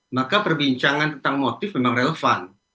maka perbincangan tentang motif memang relevan